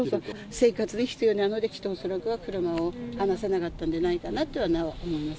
生活に必要なので、車を離さなかったんじゃないかなと思います。